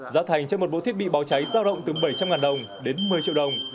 giá thành cho một bộ thiết bị báo cháy giao động từ bảy trăm linh đồng đến một mươi triệu đồng